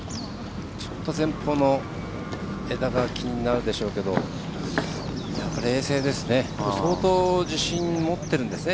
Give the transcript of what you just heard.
ちょっと前方の枝が気になるでしょうけど冷静ですね相当、自信持ってるんですね